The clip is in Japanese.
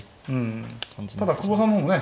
ただ久保さんの方もね